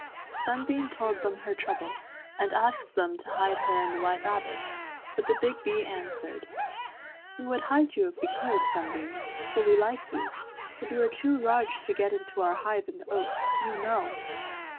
Sunbeam told them her trouble, and asked them to hide her and the White Rabbit, but the Big Bee answered — SUNBEAM A\D HER WHITE RABBIT. 75 "We would liido } ou if \vc could, Sunbeam, for we like }'ou ; but \ou are too large to get into our liive in the oak, }0u know."